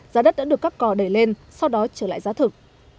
giá đất đã được các cò đẩy lên sau đó trở lại giá thực